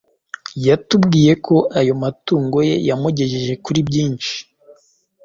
yatubwiye ko ayo matungo ye yamugejeje kuribyinshi.